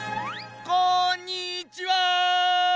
こんにちは！